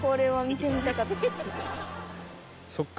「そっか。